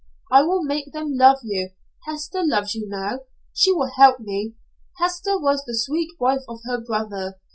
'I will make them love you. Hester loves you now. She will help me.' Hester was the sweet wife of her brother.